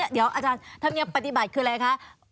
เดี๋ยวอาจารย์ธรรมเนียมปฏิบัติคืออะไรคะ